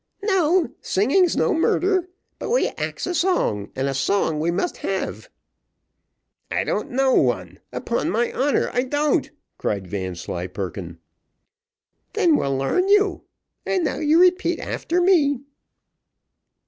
"No; singing is no murder, but we ax a song, and a song we must have." "I don't know one upon my honour I don't," cried Vanslyperken. "Then, we'll larn you. And now you repeat after me."